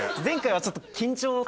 前回はちょっと緊張。